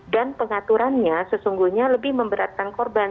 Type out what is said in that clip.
pengaturannya sesungguhnya lebih memberatkan korban